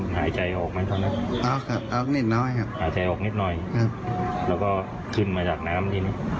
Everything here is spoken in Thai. หายใจออกนิดหน่อยครับ